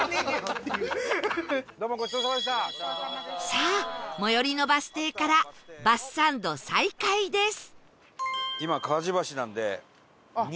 さあ最寄りのバス停からバスサンド再開です